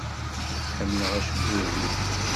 Ḥemmleɣ acebbub-iw.